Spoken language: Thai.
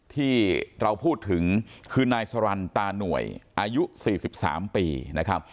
ที่เราพูดถึงคือนายสรรตาหน่วยอายุ๔๓ปีนะครับ